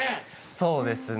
そうですね